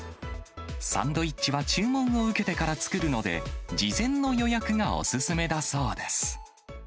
サンドイッチは注文を受けてから作るので、事前の予約がお勧めだそうです。